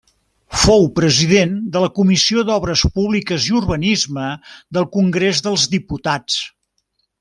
Fou President de la Comissió d'Obres Públiques i Urbanisme del Congrés dels Diputats.